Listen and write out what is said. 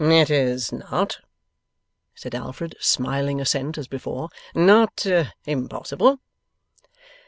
'It is not,' said Alfred, smiling assent as before, 'not impossible.